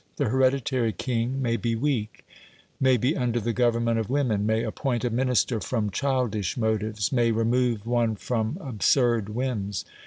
The hereditary king may be weak; may be under the government of women; may appoint a Minister from childish motives; may remove one from absurd whims.